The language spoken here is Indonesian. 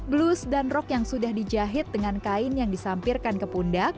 blus dan rok yang sudah dijahit dengan kain yang disampingnya